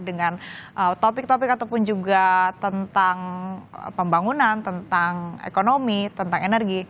dengan topik topik ataupun juga tentang pembangunan tentang ekonomi tentang energi